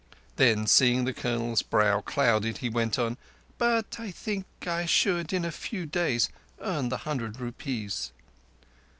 Then, seeing the Colonel's brow clouded, he went on: "But I think I should in a few days earn the hundred rupees."